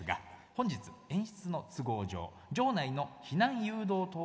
本日演出の都合上場内の避難誘導灯を消灯いたします。